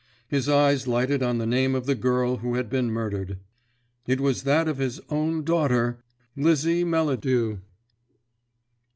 His eyes lighted on the name of the girl who had been murdered. It was that of his own daughter, Lizzie Melladew!